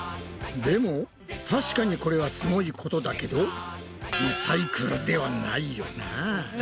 でも確かにこれはすごいことだけどリサイクルではないよな？